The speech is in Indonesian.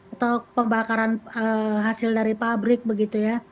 atau pembakaran hasil dari pabrik begitu ya